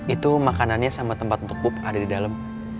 itu makanannya sama tempat untuk pup ada di dalam